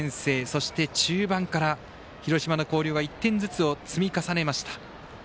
そして中盤から広島の広陵は１点ずつを積み重ねました。